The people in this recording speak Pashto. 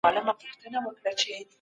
د حقوقو ترڅنګ انسانان مکلفيتونه هم لري.